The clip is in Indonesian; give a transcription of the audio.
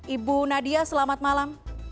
ibu nadia selamat malam